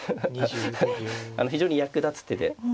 非常に役立つ手で。